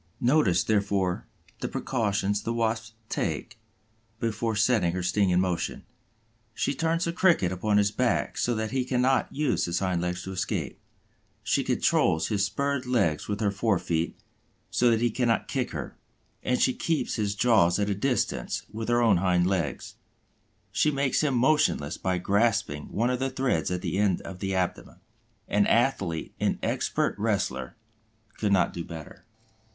Notice, therefore, the precautions the Wasp takes before setting her sting in motion. She turns the Cricket upon his back so that he cannot use his hind legs to escape. She controls his spurred legs with her fore feet, so that he cannot kick her; and she keeps his jaws at a distance with her own hind legs. She makes him motionless by grasping one of the threads at the end of the abdomen. An athlete, an expert wrestler, could not do better.